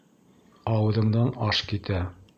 Ауыҙыңдан аш китә.